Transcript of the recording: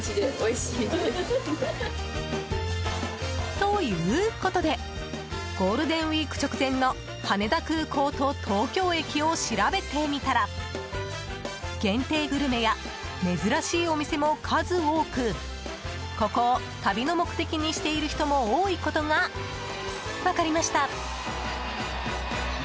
ということでゴールデンウィーク直前の羽田空港と東京駅を調べてみたら限定グルメや珍しいお店も数多くここを旅の目的にしている人も多いことが分かりました。